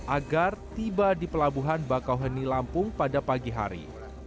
agar tiba di pelabuhan bakauheni lampung pada pagi hari